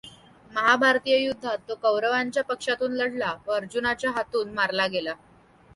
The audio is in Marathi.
महाभारतीय युद्धात तो कौरवांच्या पक्षातून लढला व अर्जुनाच्या हातून मारला गेला.